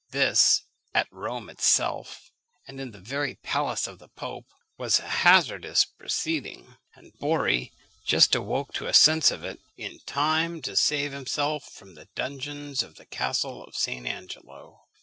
This, at Rome itself, and in the very palace of the pope, was a hazardous proceeding; and Borri just awoke to a sense of it in time to save himself from the dungeons of the Castle of St. Angelo.